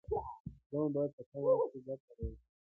پلان باید په کم وخت کې ګټه راوړي.